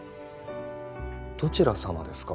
どちらさまですか？